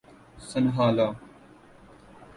Sinhala